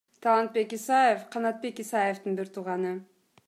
Талантбек Исаев — Канатбек Исаевдин бир тууганы.